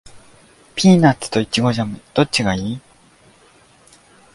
ピーナッツとイチゴジャム、どっちがいい？